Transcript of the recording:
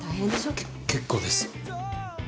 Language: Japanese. け結構です。